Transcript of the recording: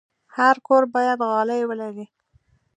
هر کور باید غالۍ ولري.